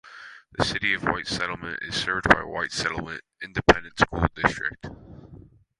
The City of White Settlement is served by the White Settlement Independent School District.